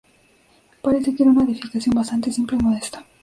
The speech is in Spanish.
Parece que era una edificación bastante simple y modesta.